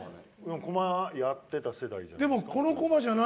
こまやってた世代じゃない？